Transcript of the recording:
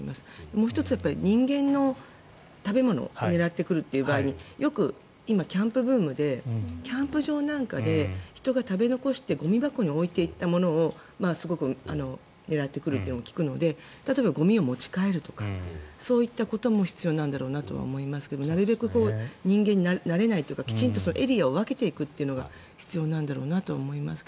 もう１つ、人間の食べ物を狙ってくるという場合によく今、キャンプブームでキャンプ場なんかで人が食べ残してゴミ箱に置いていったものを狙ってくるというのも聞くので例えば、ゴミを持ち帰るとかそういったことも必要なんだろうと思いますがなるべく人間になれないというかきちんとエリアを分けていくというのが必要なんだろうなと思いますが。